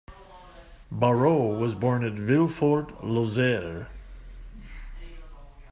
Barrot was born at Villefort, Lozère.